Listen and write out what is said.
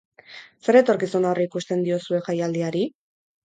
Zer etorkizun aurreikusten diozue jaialdiari?